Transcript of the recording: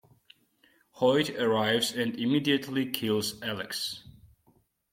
Hoyt arrives and immediately kills Alex.